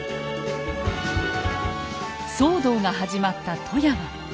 騒動が始まった富山。